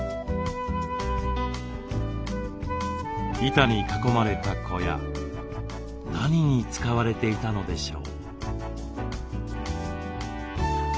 板に囲まれた小屋何に使われていたのでしょう？